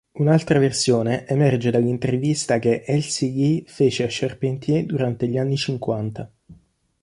Un'altra versione emerge dall'intervista che Elsie Lee fece a Charpentier durante gli anni cinquanta.